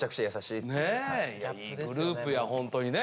いいグループやホントにね。